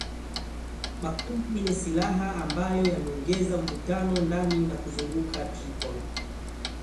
makundi yenye silaha ambayo yameongeza mvutano ndani na kuzunguka Tripoli